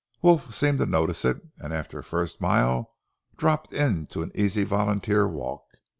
Wolf seemed to notice it, and after the first mile dropped into an easy volunteer walk.